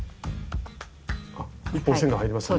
あっ１本線が入りましたね。